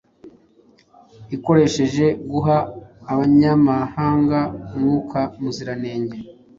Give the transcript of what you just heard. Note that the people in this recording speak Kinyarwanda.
ikoresheje guha Abanyamahanga Mwuka Muziranenge.